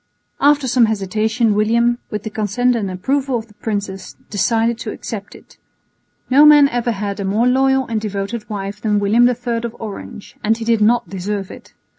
After some hesitation William, with the consent and approval of the princess, decided to accept it. No man ever had a more loyal and devoted wife than William III of Orange, and he did not deserve it.